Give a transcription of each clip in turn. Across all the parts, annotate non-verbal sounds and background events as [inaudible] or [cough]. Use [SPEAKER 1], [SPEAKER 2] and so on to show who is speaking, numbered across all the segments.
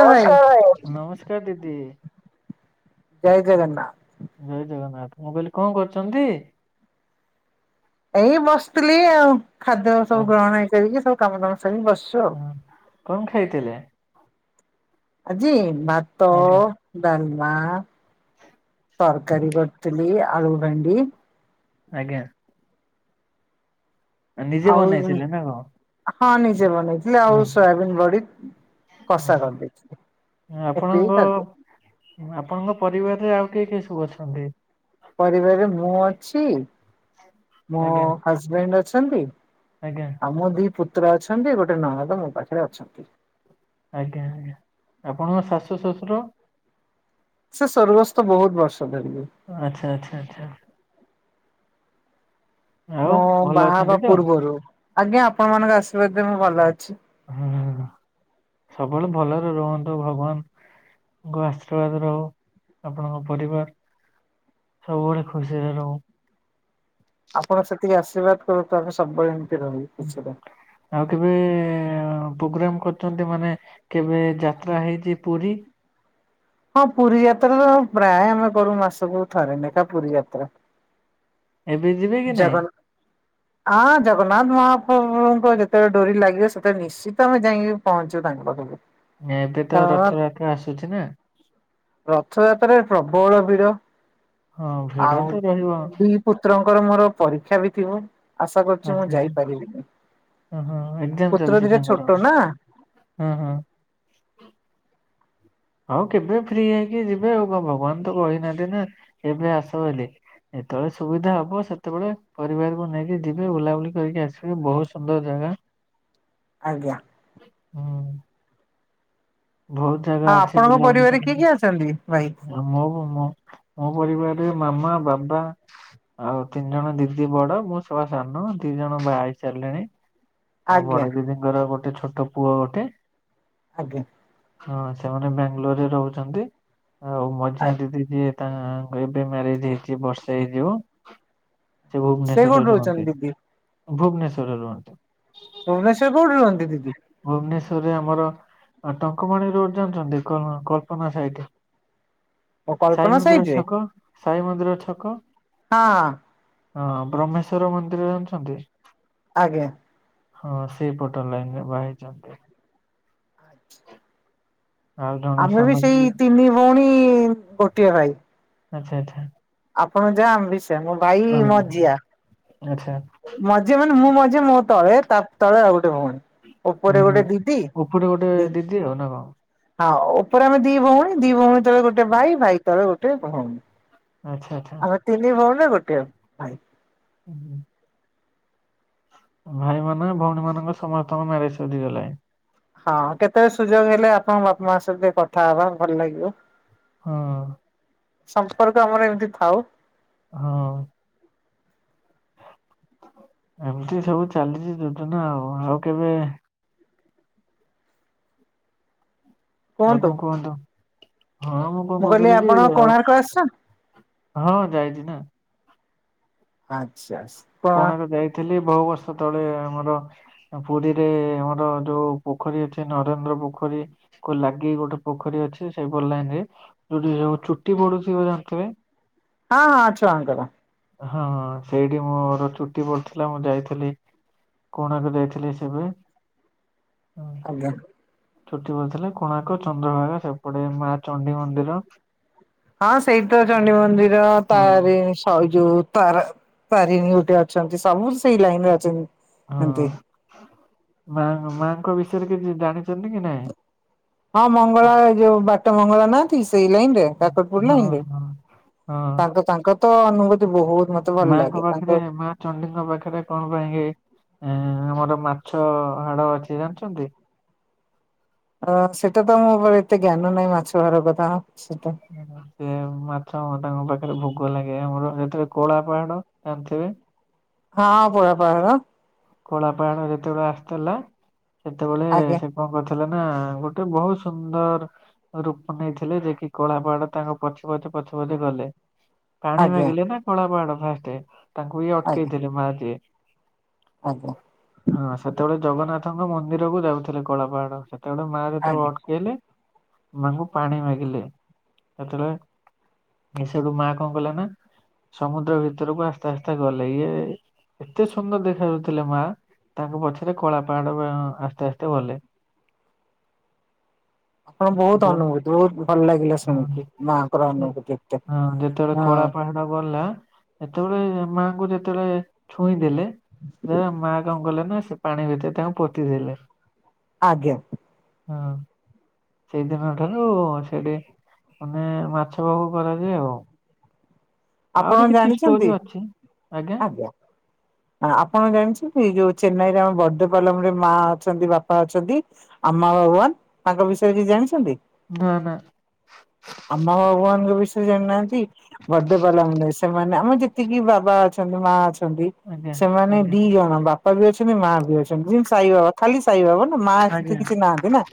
[SPEAKER 1] ଭାଇ
[SPEAKER 2] ନମସ୍କାର ଭାଇ ନମସ୍କାର ଦିଦି।
[SPEAKER 1] ଜୟ ଜଗନ୍ନାଥ।
[SPEAKER 2] ଜୟ ଜଗନ୍ନାଥ ମୁଁ କହିଲି କଣ କରୁଛନ୍ତି?
[SPEAKER 1] ଏଇ ବସିଥିଲି ଆଉ ଖାଦ୍ୟ
[SPEAKER 2] ଅ
[SPEAKER 1] ସବୁ ଗ୍ରହଣ ହେଇ କରିକି ସବୁ କାମ ଦାମ ସାରିକି ବସି
[SPEAKER 2] ହୁଁ କଣ ଖାଇଥିଲେ?
[SPEAKER 1] ଆଜି ଭାତ
[SPEAKER 2] ଆଜ୍ଞା
[SPEAKER 1] ଡଲମା ତରକାରୀ କରିଥିଲି ଆଳୁ ଭେଣ୍ଡି
[SPEAKER 2] ଆଜ୍ଞା। ନିଜେ
[SPEAKER 1] ଆଉ
[SPEAKER 2] ବନେଇଥିଲେ ନା କଣ?
[SPEAKER 1] ହଁ ନିଯେ ବନେଇଥିଲି। ଆଉ
[SPEAKER 2] ହଁ
[SPEAKER 1] ସୋୟାବିନ୍ ବଢ଼ି କଷା
[SPEAKER 2] ଓହୋ
[SPEAKER 1] କରିଦେଇଥିଲ
[SPEAKER 2] ଆପଣଙ୍କ
[SPEAKER 1] ଏତିିକି [unintelligible]
[SPEAKER 2] ଆପଣଙ୍କ ପରିବାରରେ ଆଉ କିଏ କିଏ ସବୁ ଅଛନ୍ତି?
[SPEAKER 1] ପରିବାରରେ ମୁଁ ଅଛି ମୋ
[SPEAKER 2] ଆଜ୍ଞା
[SPEAKER 1] ହଜବେଣ୍ଡ ଅଛନ୍ତି।
[SPEAKER 2] ଆଜ୍ଞା।
[SPEAKER 1] ଆମ ଦି ପୁତ୍ର ଅଛନ୍ତି ଗୋଟେ ନଣନ୍ଦ ମୋ ପାଖରେ ଅଛନ୍ତି।
[SPEAKER 2] ଆଜ୍ଞା ଆଜ୍ଞା ଆପଣଙ୍କ ଶାଶୁ ଶଶୁର?
[SPEAKER 1] ସେ ସର୍ଗସ୍ ତ ବହୁତ ବର୍ଷ ଧରି।
[SPEAKER 2] ଆଛା ଆଚ୍ଛା ଆଚ୍ଛା। ଆଉ
[SPEAKER 1] ମୁଁ
[SPEAKER 2] ଭଲ
[SPEAKER 1] ବାହା ହବା
[SPEAKER 2] ଅଛନ୍ତି ତ?
[SPEAKER 1] ପୂର୍ବରୁ ଆଜ୍ଞା ଆପଣ ମାନଙ୍କ ଆଶୀର୍ବାଦେ ମୁଁ ଭଲ ଅଛି।
[SPEAKER 2] ହୁଁ ସବୁବେଳେ ଭଲରେ ରୁହନ୍ତୁ ଭଗବାନ ଆଶୀର୍ବାଦ ରହୁ ଆପଣଙ୍କ ପରିବାର ସବୁବେଳେ ଖୁସିରେ ରହୁ।
[SPEAKER 1] ଆପଣଙ୍କ ସେତିକି ଆଶୀର୍ବାଦ କରୁଥାନ୍ତୁ ଆମେ ସବୁବେଳେ ଏମିତି ରହୁ ଖୁସି ରେ।
[SPEAKER 2] ଆଉ କେବେ ପ୍ରୋଗ୍ରାମ କରିଛନ୍ତି ମାନେ କେବେ ଯାତ୍ରା ହେଇଛି ପୁରୀ
[SPEAKER 1] ହଁ ପୁରୀ ଯାତ୍ରା ତ ପ୍ରାୟ ଆମେ କରୁ ମାସକୁ ଥରେ ଲେଖା ପୁରୀ ଯାତ୍ରା।
[SPEAKER 2] ଏବେ ଯିବେ କି ନାଇଁ?
[SPEAKER 1] ଜଗନ୍ ଆଁ ଜଗନ୍ନାଥ ମହାପ୍ରଭୁଙ୍କ ଯେତେବେଳେ ଡୋରି ଲାଗିବ ସେତବେଳେ ନିଶ୍ଚିତ ଆମେ ଯାଇ ପହଞ୍ଚିବୁ ତାଙ୍କପାଖକୁ।
[SPEAKER 2] ନା ଏବେ ତ ରଥଯାତ୍ର ଆସୁଛି ନା।
[SPEAKER 1] ରଥଯାତ୍ରାରେ ପ୍ରବଳ ଭିଡ।
[SPEAKER 2] ହଁ ଭିଡ
[SPEAKER 1] ଆଉ
[SPEAKER 2] ତ ରହିବ
[SPEAKER 1] ଦି ପୁତ୍ରଙ୍କର ମୋର ପରୀକ୍ଷା ବି ଥିବ। ଆଶା କରୁଛି ମୁଁ ଯାଇପାରିବିନି।
[SPEAKER 2] ଅଁ ହଁ ଏକ୍ସାମ୍
[SPEAKER 1] ପୁତ୍ର
[SPEAKER 2] ଚାଲିଛି
[SPEAKER 1] ଦିଟା
[SPEAKER 2] ତାଙ୍କର
[SPEAKER 1] ଛୋଟ ନା
[SPEAKER 2] ହଁ ହଁ। ଆଉ କେବେ ଫ୍ରି ହେଇକି ଯିବେ ଆଉ ଭଗବାନ ତ କହିନାହାନ୍ତି ନା ଏବେ ଆସ ବୋଲି। ଯେତେବେଳେ ସୁବିଧା ହବ ସେତେବେଳେ ପରିବାରକୁ ନେଇକି ଯିବେ ବୁଲାବୁଲି କରିକି ଆସିବେ ବହୁତ ସୁନ୍ଦର ଜାଗା। [inaudible]
[SPEAKER 1] ଆଜ୍ଞା।
[SPEAKER 2] ହଁ।
[SPEAKER 1] ଆ
[SPEAKER 2] ଅଛି
[SPEAKER 1] ଆପଣଙ୍କ
[SPEAKER 2] ବୁଲାବୁଲି
[SPEAKER 1] ପରିବାରରେ କିଏ କିଏ
[SPEAKER 2] କରିବା
[SPEAKER 1] ଅଛନ୍ତି ଭାଇ?
[SPEAKER 2] ମୋ ମୋ ମୋ ପରିବାରରେ ମାମା ବାବା। ଆଉ ତିନି ଜଣ ଦିଦି ବଡ ମୁଁ ସଭା ସାନ ଦି ଜଣ ବାହା ହେଇସାରିଲେଣି। ଆଉ
[SPEAKER 1] ଆଜ୍ଞା
[SPEAKER 2] ବଡ ଦିଦିଙ୍କର ଗୋଟେ ଛୋଟ ପୁଅ ଗୋଟେ।
[SPEAKER 1] ଆଜ୍ଞା।
[SPEAKER 2] ହଁ ସେମାନେ ବ୍ୟାଙ୍ଗଲୋର ରେ ରହୁଛନ୍ତି। ଆଉ ମଝିଆ
[SPEAKER 1] ଆଜ୍ଞା
[SPEAKER 2] ଦିଦି ଯିଏ ତା ଏବେ ମ୍ୟାରେଜ ହେଇଚି ବର୍ଷେ ହେଇଯିବ। ସେ
[SPEAKER 1] ସେ
[SPEAKER 2] ଭୁବନେଶ୍ଵରେ
[SPEAKER 1] କୋଉଠି ରହୁଛନ୍ତି
[SPEAKER 2] ରୁହନ୍ତି,
[SPEAKER 1] ଦିଦି
[SPEAKER 2] ଭୁବନେଶ୍ଵରେ ରୁହନ୍ତି।
[SPEAKER 1] ଭୁବନେଶ୍ୱରେ କୋଉଠି ରୁହନ୍ତି ଦିଦି?
[SPEAKER 2] ଭୁବନେଶ୍ଵରରେ ଆମର ଆଉ ଟଙ୍କପାଣି ରୋଡ ଜାଣିଛନ୍ତି କ କଳ୍ପନା ସାଇଟ୍।
[SPEAKER 1] ଓ
[SPEAKER 2] ସାଇ
[SPEAKER 1] କଳ୍ପନା
[SPEAKER 2] ମନ୍ଦିର
[SPEAKER 1] ସାଇଟ୍ ରେ
[SPEAKER 2] ଛକ ସାଇ ମନ୍ଦିର ଛକ
[SPEAKER 1] ହଁ।
[SPEAKER 2] ହଁ ବ୍ରହ୍ମେଶ୍ଵର ମନ୍ଦିର ଜାଣିଛନ୍ତି?
[SPEAKER 1] ଆଜ୍ଞା।
[SPEAKER 2] ହଁ ସେଇପଟ ଲାଇନ୍ ରେ ବାହା ହେଇଛନ୍ତି। ଆଉ ଜଣେ
[SPEAKER 1] ଆମେ
[SPEAKER 2] ସାନ
[SPEAKER 1] ବି
[SPEAKER 2] ଦିଦି
[SPEAKER 1] ସେଇ ତିନି ଭଉଣୀ ଗୋଟିଏ ଭାଇ।
[SPEAKER 2] ଆଚ୍ଛା ଆଚ୍ଛା।
[SPEAKER 1] ଆପଣ ଯାହା ଆମେ ବି ସେଇଆ। ମୋ ଭାଇ
[SPEAKER 2] ହଁ
[SPEAKER 1] ମଝିଆ।
[SPEAKER 2] ଆଚ୍ଛା।
[SPEAKER 1] ମଝିଆ ମାନେ ମୁଁ ମଝିଆ, ମୋ ତଳେ ତା ତଳେ ଆଉ ଗୋଟେ ଭଉଣୀ। ଓପରେ
[SPEAKER 2] ଉଁ
[SPEAKER 1] ଗୋଟେ ଦିଦି।
[SPEAKER 2] ଉପରେ ଗୋଟେ
[SPEAKER 1] ଦି
[SPEAKER 2] ଦିଦି ଆଉ ନା କଣ
[SPEAKER 1] ହଁ। ଓପରେ ଆମେ ଦି ଭଉଣୀ। ଦି ଭଉଣୀ ତଳେ ଗୋଟେ ଭାଇ। ଭାଇ ତଳେ ଗୋଟେ ଭଉଣୀ।
[SPEAKER 2] ଆଚ୍ଛା ଆଚ୍ଛା।
[SPEAKER 1] ଆମେ ତିନି ଭଉଣୀ ରେ ଗୋଟିଏ ଭାଇ।
[SPEAKER 2] [unintelligible] ଭାଇ ମାନେ ଭଉଣୀ ମାନଙ୍କ ର ସମସ୍ତଙ୍କ ମ୍ୟାରେଜ ସରିଗଲାଣି।
[SPEAKER 1] ହଁ କେତେବେଳେ ସୁଯୋଗ ହେଲେ ଆପଣଙ୍କ ବାପା ମାଙ୍କ ସହିତ ଟିକେ କଥା ହବା ଭଲ ଲାଗିବ।
[SPEAKER 2] ହଁ।
[SPEAKER 1] ସମ୍ପର୍କ ଆମର ଏମିତି ଥାଉ।
[SPEAKER 2] ହଁ। ଏମିତି ସବୁ ଚାଲିଚି ଯୋଜନା ଆଉ। ଆଉ କେବେ ଆଉ କଣ କୁହନ୍ତୁ। ହଁ ମୁଁ କଣ
[SPEAKER 1] କହିଲି
[SPEAKER 2] କହୁଥିଲି କି
[SPEAKER 1] ଆପଣ
[SPEAKER 2] ଆଉ
[SPEAKER 1] କୋଣାର୍କ ଆସିଛନ୍ତି?
[SPEAKER 2] ହଁ ଯାଇଛି ନା।
[SPEAKER 1] [unintelligible]
[SPEAKER 2] କୋଣାର୍କ ଯାଇଥିଲି ବହୁ ବର୍ଷ ତଳେ ଆମର ପୁରୀରେ ଆମର ଯୋଉ ପୋଖରୀ ଅଛି ନରେନ୍ଦ୍ର ପୋଖରୀ କୁ ଲାଗି ଗୋଟେ ପୋଖରୀ ଅଛି ସେଇ ପଟ ଲାଇନ୍ ରେ। ଯୋଉଠି ଯୋଉ ଚୁଟି ପଡୁଥିବ ଜାଣିଥିବେ।
[SPEAKER 1] ହଁ ହଁ ଛୁଆଙ୍କର।
[SPEAKER 2] ହଁ ହଁ ସେଇଠି ମୋ ର ଚୁଟି ପଡିଥିଲା ମୁଁ ଯାଇଥିଲି, କୋଣାର୍କ ଯାଇଥିଲି ସେବେ।
[SPEAKER 1] ଆଜ୍ଞା।
[SPEAKER 2] ଛୁଟି [unintelligible] କୋଣାର୍କ, ଚନ୍ଦ୍ରଭାଗା ସେପଟେ ମା ଚଣ୍ଡୀ ମନ୍ଦିର
[SPEAKER 1] ହଁ ସେଇଠି ତ ଚଣ୍ଡୀ ମନ୍ଦିର
[SPEAKER 2] ହଁ
[SPEAKER 1] ତାର ସୈଯୁ ତାରା ତାରିଣୀ ଗୋଟେ ଅଛନ୍ତି ସବୁ ସେଇ ଲାଇନ୍ ରେ ଅଛନ୍ତି। ଏମତି
[SPEAKER 2] ହଁ। ମା ମାଙ୍କ ବିଷୟରେ କିଛି ଜାଣିଛନ୍ତି କି ନାଇଁ?
[SPEAKER 1] ହଁ ମଙ୍ଗଳା ଏ ଯୋଉ ବାଟ ମଙ୍ଗଳା ନାହାନ୍ତି ସେଇ ଲାଇନ ରେ। କାକର୍
[SPEAKER 2] ହଁ
[SPEAKER 1] ପଡିଲାଇଁ
[SPEAKER 2] ହଁ
[SPEAKER 1] କି
[SPEAKER 2] ହଁ
[SPEAKER 1] ତାଙ୍କ ତାଙ୍କ ତ ଅନୁଭୂତି ବହୁତ ମ ତେ ଭଲ୍
[SPEAKER 2] ମାଙ୍କ
[SPEAKER 1] ଲାଗେ
[SPEAKER 2] ପାଖରେ
[SPEAKER 1] ତାଙ୍କେ
[SPEAKER 2] ମା ଚଣ୍ଡୀଙ୍କ ପାଖରେ କଣ ପାଇଁ କି ଏ ଆମର ମାଛ ହାଡ ଅଛି ଜାଣିଛନ୍ତି?
[SPEAKER 1] ଅଁ ସେଟା ତ ମୋ ଉପରେ ଏତେ ଜ୍ଞାନ ନାହିଁ ମାଛ ଧରା କଥା, ସେଟା
[SPEAKER 2] ସେ ମାଛ ତାଙ୍କ ପାଖରେ ଭୋଗ ଲାଗେ ଆମର ସେଠରେ କଳା ପାହାଡ ଜାଣିଥିବେ।
[SPEAKER 1] ହଁ କଳା ପାହାଢ।
[SPEAKER 2] କଳାଳା ପାହାଣ ଯେତେବେଳେ ଆସିଥିଲା ସେତେବେଳେ
[SPEAKER 1] ଆଜ୍ଞା
[SPEAKER 2] ସେ କଣ କରିଥିଲେ ନା ଗୋଟେ ବୋହୁତ୍ ସୁନ୍ଦର୍ ରୂପ ନେଇଥିଲେ ଯେ କିି କଳାପହାଡ ତାଙ୍କ ପଛେ ପଛେ ପଛେ ପଛେ ଗଲେ। ପାଣି
[SPEAKER 1] ଆଜ୍ଞା
[SPEAKER 2] ମାଗିଲେ ନା କଳା ପାହାଡ ଫାଷ୍ଟେ ତାଙ୍କୁ ଇଏ
[SPEAKER 1] ଆଜ୍ଞା
[SPEAKER 2] ଅଟ୍କେଇ ଥିଲେ ମା ଯିଏ।
[SPEAKER 1] ଆଜ୍ଞା।
[SPEAKER 2] ହଁ ସେତେବେଳେ ଜଗନ୍ନାଥଙ୍କ ମନ୍ଦିର କୁ ଯାଉଥିଲେ କଳାପହାଡ ସେ ତେବେଳେ ମା
[SPEAKER 1] ଆଜ୍ଞା।
[SPEAKER 2] ଯେତେବେଳେ ଅଟକେଇଲେ ମାଙ୍କୁ ପାଣି ମାଗିଲେ ସେତେଳେ ଏ ସେଠୁ ମା କଁ କଲା ନା ସମୁଦ୍ର ଭିତରକୁ ଆସ୍ତେ ଆସ୍ତେ ଗଲେ ଇଏ ଏତେ ସୁନ୍ଦର୍ ଦେଖାଯାଉ ଥିଲେ ମା ତାଙ୍କ ପଛରେ କଳା ପାହାଡ ଆସ୍ତେ ଆସ୍ତେ ଗଲେ। [inaudible]
[SPEAKER 1] ଆପଣ ବୋହୁତ୍
[SPEAKER 2] ସେତେବେଳେ
[SPEAKER 1] ଅନୁଭୂତି ବୋହୁତ୍ ଭଲ ଲାଗିଲା ଶୁଣିକି
[SPEAKER 2] ହଁ,
[SPEAKER 1] ମାଆଙ୍କର ଅନୁଭୂତି ଏତେ।
[SPEAKER 2] ହଁ ଯେତେବେଳେ
[SPEAKER 1] ହଁ
[SPEAKER 2] କଳା ପାହାଡ ଗଲା ଏତେବେଳେ ମାଙ୍କୁ ଯେତେବେଳେ ଛୁଇଁ ଦେଲେ ମା କଁ କଲେ ନା ସେ ପାଣି ଭିତରେ ତାଙ୍କୁ ପୋତିଦେଲେ।
[SPEAKER 1] ଆଜ୍ଞା।
[SPEAKER 2] ହଁ। ସେଇଦିନ ଠାରୁ ସେଠି ମାନେ ମାଛ ଭୋଗ କରାଯାଏ ଆଉ।
[SPEAKER 1] ଆପଣ
[SPEAKER 2] ଆହୁରି କିଛି
[SPEAKER 1] ଜାଣିଛନ୍ତି
[SPEAKER 2] ଷ୍ଟୋରି ଅଛି, ଆଜ୍ଞା
[SPEAKER 1] ଆପଣ ଜାଣିଛନ୍ତି ଯୋଉ ଚେନ୍ନାଇରେ ଆମ ବଡପାଲମ୍ ରେ ମା ଅଛନ୍ତି ବାପା ଅଛନ୍ତି। ଆମା ବାଗବାନ୍ ତାଙ୍କ ବିଷୟରେ କିଛି ଜାଣିଛନ୍ତି?
[SPEAKER 2] ନା ନା
[SPEAKER 1] ଆମା ଭଗବାନ୍ ଙ୍କ ବିଷୟରେ ଜାଣିନାହାନ୍ତି ବା ଦେ ବାଲା ମୁଣ୍ଡେଇ ସେମାନେ ଆମ ଯେତିକି ବାବା ଅଛନ୍ତି ମା ଅଛନ୍ତି
[SPEAKER 2] ଆଜ୍ଞା
[SPEAKER 1] ସେମାନେ
[SPEAKER 2] ଆଜ୍ଞା
[SPEAKER 1] ଦି ଜଣ ବା ବପା ବି ଅଛନ୍ତି ମା ବି ଅଛନ୍ତି ଯେମତି ସାଇ ବାବା ଖାଲି ସାଇ ବାବା ମା
[SPEAKER 2] ଆଜ୍ଞା
[SPEAKER 1] କିଛି ନାହାନ୍ତି ନା।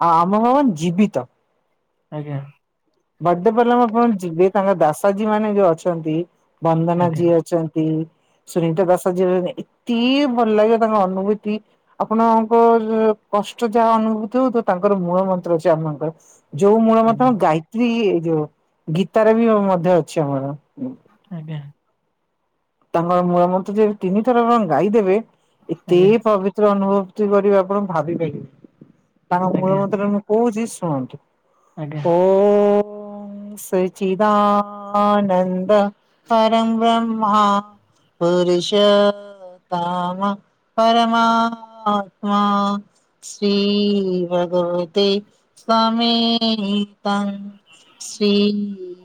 [SPEAKER 1] ଆଉ ଆମ ଭଗବାନ୍ ଜୀବିତ।
[SPEAKER 2] ଆଜ୍ଞା।
[SPEAKER 1] ବଡପାଲମ୍ ଆପଣ ଯିବେ ତାଙ୍କର ବ୍ୟାସାଜୀ ମାନେ ବି ଅଛନ୍ତି। ବନ୍ଦନା
[SPEAKER 2] ଆଜ୍ଞା
[SPEAKER 1] ଜି ଅଛନ୍ତି। ସୁନୀତା ଦାସ ଜି ଏତେ ଭଲ୍ ଲାଗିବ ତାଙ୍କ ଅନୁଭତି ଆପଣଙ୍କ କଷ୍ଟ ଯାହା ଅନୁଭୂତି ହୋଉଥିବ ତାଙ୍କର ମୂଳ ମନ୍ତ୍ର ଅଛି ଆପଣଙ୍କର। ଯୋଉ ମୂଳ ମତ
[SPEAKER 2] ଆଜ୍ଞା
[SPEAKER 1] ଗାୟତ୍ରୀ ଏ ଯୋଉ ଗୀତାରେ ବି ମଧ୍ୟ ଅଛି ଆମର।
[SPEAKER 2] ଆଜ୍ଞା।
[SPEAKER 1] ତାଙ୍କର ମୂଳ ମନ୍ତ୍ର ଯେ ତିିନି ଥର ର ଗାଈ ଦେବେ ଏତେ
[SPEAKER 2] ଆଜ୍ଞା
[SPEAKER 1] ପବି ଥିର ଅନୁଭୂତୀ କରିବେ ଆପଣ ଭାବିପାରିବେ, ତାଙ୍କ ମୂଳ
[SPEAKER 2] ଆଜ୍ଞା
[SPEAKER 1] ମନ୍ତ୍ର ମୁଁ କୋହୁଚି ଶୁଣନ୍ତୁ।
[SPEAKER 2] ଆଜ୍ଞା
[SPEAKER 1] ଓଁ ସଚିଦାନନ୍ଦ। ପରମ୍ ବ୍ରହ୍ମା ପୁରୁଷୋ କାମ ପରମାତ୍ମା। ଶ୍ରୀ ଭଗବତେ ସ୍ୱାମୀ ତ‍ଂ। ଶ୍ରୀ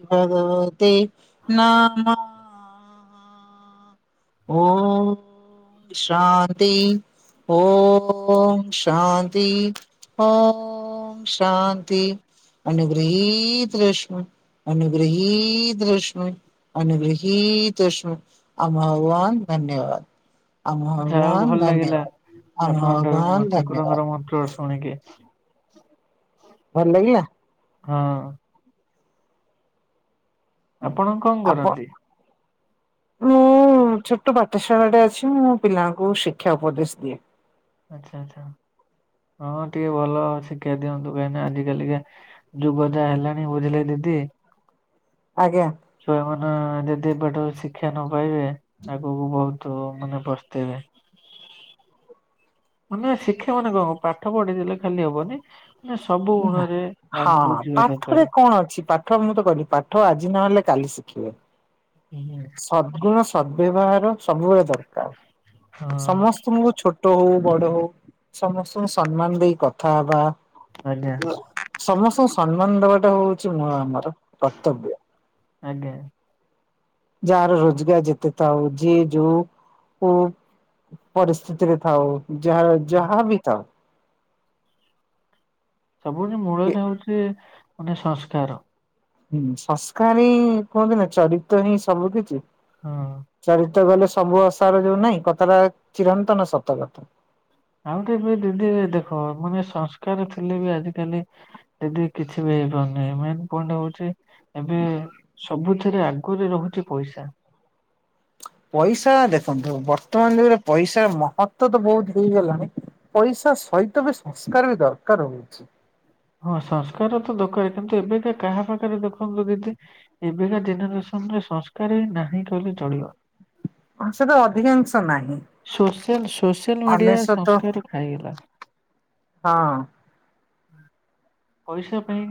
[SPEAKER 1] ଭଗବତେ ନମ। ଓମ୍ ଶାନ୍ତି। ଓମ୍ ଶାନ୍ତି ଓଃ। ଓମ୍ ଶାନ୍ତି ଅନୁଗୃହୀତ ରଷ୍ମ। ଅନୁଗୃହୀତ ରଷ୍କ ଅନୁଗୃହୀତ ରଷ୍କ ଆମ ଉଆନ ଧନ୍ୟବାଦ। ଆଉ ମାନ
[SPEAKER 2] ଯାହା ହଉ ଭଲ
[SPEAKER 1] ଧନ୍ୟବାଦ
[SPEAKER 2] ଲାଗିଲା
[SPEAKER 1] ଆ ମଗାନ
[SPEAKER 2] ଆପଣଙ୍କ
[SPEAKER 1] ଧନ୍ୟବାଦ।
[SPEAKER 2] ଠାକୁରଙ୍କର [inaudible]
[SPEAKER 1] ଭଲ ଲାଗିଲା?
[SPEAKER 2] ହଁ ଆପଣ କଣ
[SPEAKER 1] ଆପଣ
[SPEAKER 2] କରନ୍ତି?
[SPEAKER 1] ମୁଁ ଛୋଟ ପାଠଶାଳା ଟେ ଅଛି ମୁଁ ପିଲାଙ୍କୁ ଶିକ୍ଷା ଉପଦେଶ ଦିଏ।
[SPEAKER 2] ଆଚ୍ଛା ଆଚ୍ଛା ହଁ ଟିକେ ଭଲ ଶିକ୍ଷା ଦିଅନ୍ତୁ, କାଇକିନା ଆଜି କାଲିକା ଯୁଗ ଯା ହେଲାଣି ବୁଝିଲେ ଦିଦି?
[SPEAKER 1] ଆଜ୍ଞା
[SPEAKER 2] ଛୁଆ ମାନ ଯଦି ଏବାଟରୁ ଶିକ୍ଷା ନ ପାଇବେ ଆଗକୁ ବହୁତ ତ ମାନେ ପସ୍ତେଇବେ। ମାନେ ଶିକ୍ଷା ମାନେ କଣ ପାଠ ପଢ଼ିଦେଲେ ଖାଲି ହବନି ନା ସବୁ ଗୁଣ ରେ ଆଗକୁ
[SPEAKER 1] ହଁ
[SPEAKER 2] ଯିବେ ନା
[SPEAKER 1] ପାଠରେ
[SPEAKER 2] କହିଲେ।
[SPEAKER 1] କଣ ଅଛି ପା ଠ ମୁଁ ତ କି ପାଠ ଆଜି ନହେଲେ କାଲି ଶିଖିବେ।
[SPEAKER 2] [inaudible]
[SPEAKER 1] [unintelligible] ସବୁବେଳେ ଦରକାର
[SPEAKER 2] ହଁ
[SPEAKER 1] ସମସ୍ତଙ୍କୁଙ୍କୁ ଛୋଟ ହଉ ବଡ ହଉ। ସମସ୍ତଙ୍କୁ ସମ୍ମାନ ଦେଇ କଥା ବା।
[SPEAKER 2] ଆଜ୍ଞା
[SPEAKER 1] ସମସ୍ତଙ୍କୁ ସମ୍ମାନ ଦବାଟା ହଉଛି ମୁଁ ଆମର କର୍ତବ୍ୟ।
[SPEAKER 2] ଆଜ୍ଞା
[SPEAKER 1] ଯାହାର ରୋଜଗାର ଯେତେ ତ ହୋଉଚି ଯଉ ଉ ପରିସ୍ଥିତିରେ ଥାଉ ଯାହା ଯାହାବି ଥାଉ।
[SPEAKER 2] ସବୁଠୁ
[SPEAKER 1] କି
[SPEAKER 2] ମୂଳରେ ହଉଚି ଗୋଟେ ସଂସ୍କାର।
[SPEAKER 1] ହୁଁ ସଂସ୍କାର ହିଁ କୁହନ୍ତି ନା ଚରିତ୍ର ହିଁ ସବୁ କିଛି।
[SPEAKER 2] ହଁ
[SPEAKER 1] ଚରିତ ଗଲେ ସବୁ ଅସାର ଯୋଉ ନହିଁ କଥାଟା ଚିରନ୍ତନ ସତ କଥା।
[SPEAKER 2] ଆଉଟ ଏବେ ଦିଦି ଏ ଦେଖ ମାନେ ସଂସ୍କାର ଥିଲେ ବି ଆଜିକାଲି ଦିଦି କିଛି ବି ହେଇପାରୁନି ମେନ ପଏଣ୍ଟ ହଉଚି ଏବେ ସବୁଥିରେ ଆଗୁରେ ରହୁଚି ପଇସା।
[SPEAKER 1] ପଇସା ଦେଖନ୍ତୁ ବର୍ତ୍ତମାନ ଯୁଗରେ ପଇସାର ମହତ୍ୱ ତ ବହୁତ ହେଇଗଲାଣି ପଇସା ସହିତ ବି ସଂସ୍କାର ବି ଦରକାର ହଉଚି।
[SPEAKER 2] ହଁ ସଂସ୍କାର ତ ଦରକାର କିନ୍ତୁ ଏବେକା କାହା ପାଖରେ ଦେଖନ୍ତୁ ଦିଦି। ଏବେକା ଜେନେରେସନ ରେ ସଂସ୍କାରେ ନାହିଁ କହିଲେ ଚଳିବ।
[SPEAKER 1] ମାଂସଟା ଅଧିକାଂଶ ନାହିଁ।
[SPEAKER 2] ସୋସିଆଲ ସୋସିଆଲ ମିଡିଆ ମିଡିଆ
[SPEAKER 1] ଅନେଶତ
[SPEAKER 2] ସଂସ୍କାର ଖାଇଗଲା।
[SPEAKER 1] ହଁ
[SPEAKER 2] ପଇସା ପାଇଁ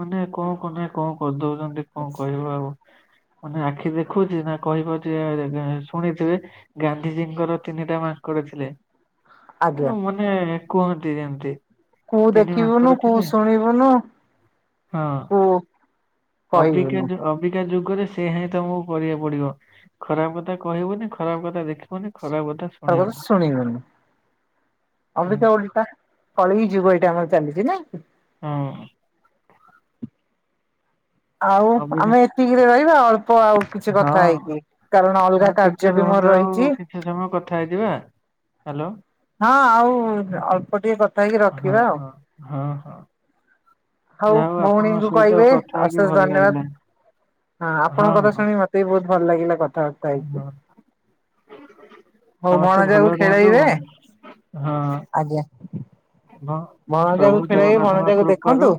[SPEAKER 2] ମାନେ କଣ [inaudible] କନା କଣ କରିଦଉଛନ୍ତି କଣ କହିବ ଆଉ। ମାନେ ଆଖି ଦେଖୁଛି ନା କହିପାରୁଚି ଏଆ ଶୁଣିଥିବେ ଗା ଧିଜୀଙ୍କର ତିନିଟା ମାଙ୍କଡ ଥିଲେ।
[SPEAKER 1] ଆଜ୍ଞା।
[SPEAKER 2] [unintelligible] କୁହନ୍ତି ଯେମିତି
[SPEAKER 1] କୁ
[SPEAKER 2] ତିନି
[SPEAKER 1] ଦେଖିବୁନୁ
[SPEAKER 2] ମାଙ୍କଡ
[SPEAKER 1] କୁ
[SPEAKER 2] ଥିଲେ
[SPEAKER 1] ଶୁଣିବୁନୁ
[SPEAKER 2] ହଁ
[SPEAKER 1] କୁ
[SPEAKER 2] ଅବିକା ଯୋଉ ଅ ଏଇଟା ଯୁଗରେ ସେୟାହିଁ ତୋମକୁ କରିବାକୁ ପଡିବ। ଖରାପ କଥା କହିବୁନି, ଖରାପ କଥା ଦେଖିବୁନି
[SPEAKER 1] ଖରାପ କଥା ଶୁଣିବନି
[SPEAKER 2] ହୁଁ
[SPEAKER 1] ଅବିକା ଅବିକା କଳିଯୁଗ ଏଇଟା ଆମର ଚାଲିଚି ନା। [inaudible]
[SPEAKER 2] ହଁ।
[SPEAKER 1] ଆଉ
[SPEAKER 2] ଅବିକା
[SPEAKER 1] ଆମେ ଏତିକିରେ ରହିବା ଅଳ୍ପ ଆଉ କିଛି କଥା
[SPEAKER 2] ହଁ
[SPEAKER 1] ହେଇକି କାରଣ ଅଲଗା
[SPEAKER 2] ହଁ
[SPEAKER 1] କାର୍
[SPEAKER 2] ଟିକେ ରୁହନ୍ତୁ ଆଉ କିଛି ସମୟ କଥା ହେଇଯିବା। ହାଲୋ।
[SPEAKER 1] ହଁ ଆଉ ଅଳ୍ପ ଟିକେ କଥା ହେଇକି
[SPEAKER 2] ହଁ
[SPEAKER 1] ରଖିବା ଆଉ।
[SPEAKER 2] ହଁ ହଁ, ହଁ।
[SPEAKER 1] ହଉ
[SPEAKER 2] ଯାହା ଆପଣଙ୍କ
[SPEAKER 1] ଭଉଣୀଙ୍କୁ
[SPEAKER 2] ସହିତ
[SPEAKER 1] କହିବେ
[SPEAKER 2] କଥା ହେଇକି
[SPEAKER 1] ଅଶେଷ
[SPEAKER 2] ଭଲ ଲାଗିଲା।
[SPEAKER 1] ଧନ୍ୟବାଦ। ହଁ ଆପଣଙ୍କର ଶୁଣି ମୋ ତେ ବହୁତ ଭଲ ଲାଗିଲା କଥା।
[SPEAKER 2] ହଁ, ହଁ।
[SPEAKER 1] ହଉ
[SPEAKER 2] ସମସ୍ତେ
[SPEAKER 1] ଭଣଜାକୁ
[SPEAKER 2] ଭଲରେ ରୁହନ୍ତୁ
[SPEAKER 1] ଖେଳେଇବେ
[SPEAKER 2] ଭଗବାନଙ୍କ ହଁ, ହଁ
[SPEAKER 1] ଆଜ୍ଞା
[SPEAKER 2] [unintelligible]
[SPEAKER 1] ଭଣଜାକୁ
[SPEAKER 2] ପ୍ରଭୁ
[SPEAKER 1] ଖେଳେଇବେ
[SPEAKER 2] ଜଗନ୍ନାଥଙ୍କ
[SPEAKER 1] ଭଣଜାକୁ
[SPEAKER 2] କୃପାରୁ
[SPEAKER 1] ଦେଖନ୍ତୁ।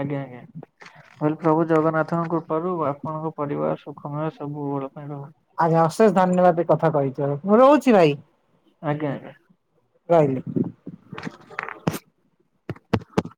[SPEAKER 2] କହିଲି ପ୍ରଭୁ ଜଗନ୍ନାଥଙ୍କ କୃପାରୁ ଆପଣଙ୍କ ପରିବାର ସୁଖମୟ ସବୁବେଳ ପାଇଁ ରହୁ।
[SPEAKER 1] ଆଜ୍ଞା ଅଶେଷ ଧନ୍ୟବାଦ [unintelligible] କଥା କହିଚ ମୁଁ ରହୁଛି ଭାଇ।
[SPEAKER 2] ଆଜ୍ଞା, ଆଜ୍ଞା।
[SPEAKER 1] ରହିଲି।
[SPEAKER 2] [unintelligible]